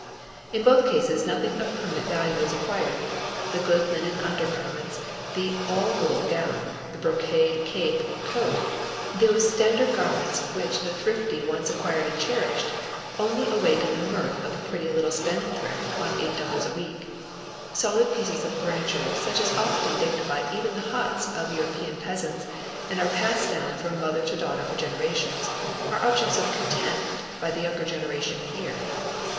In both cases nothing of permanent value is acquired. The good linen undergarments, the "all wool" gown, the broadcloth cape or coat, those standard garments which the thrifty once acquired and cherished, only awaken the mirth of the pretty little spendthrift on $8 a week. Solid pieces of furniture such as often dignify even the huts of European peasants and are passed down from mother to daughter for generations are objects of contempt by the younger generation here.